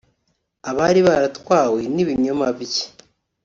Abari baratwawe n’ibinyoma bye